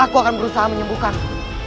aku akan berusaha menyembuhkanmu